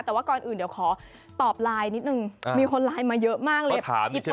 แต่ว่าก่อนอื่นเดี๋ยวขอตอบไลน์นิดนึงมีคนไลน์มาเยอะมากเลยหยิบโทรศัพท์ได้ไหม